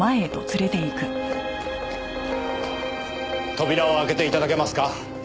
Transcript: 扉を開けて頂けますか？